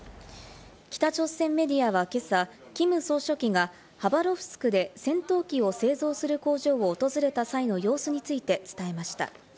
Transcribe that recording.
北朝鮮メディアは今朝、キム総書記がハバロフスクで戦闘機を製造する工場を訪れた際の様子について伝えました。